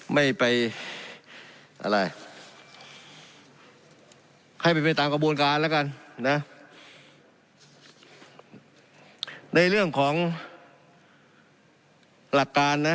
ไม่ไปอะไรให้เป็นไปตามกระบวนการแล้วกันนะในเรื่องของหลักการนะ